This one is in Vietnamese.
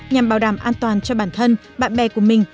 nhằm bảo đảm an toàn cho bản thân bạn bè của mình